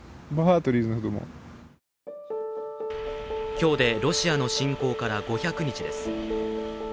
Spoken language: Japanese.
今日でロシアの侵攻から５００日です。